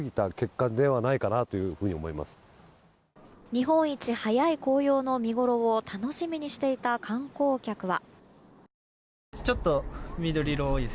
日本一早い紅葉の見ごろを楽しみにしていた観光客は。